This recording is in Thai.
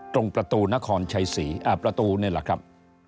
ตรงประตูนครชัยศรีประตูนี่แหละครับ